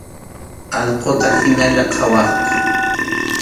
Allquta hinallaña qhawaqku.